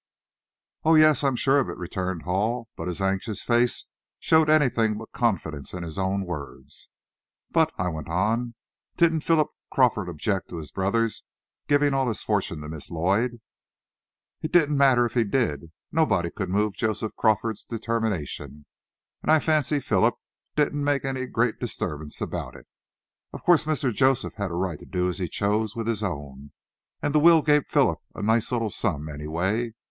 "Oh, yes, I'm sure of it," returned Hall, but his anxious face showed anything but confidence in his own words. "But," I went on, "didn't Philip Crawford object to his brother's giving all his fortune to Miss Lloyd?" "It didn't matter if he did. Nobody could move Joseph Crawford's determination. And I fancy Philip didn't make any great disturbance about it. Of course, Mr. Joseph had a right to do as he chose with his own, and the will gave Philip a nice little sum, any way.